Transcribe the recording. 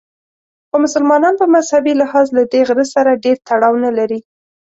خو مسلمانان په مذهبي لحاظ له دې غره سره ډېر تړاو نه لري.